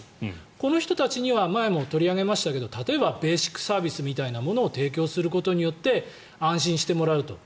この人たちには前も取り上げましたけどベーシックサービスみたいなものを提供することによって安心してもらうという。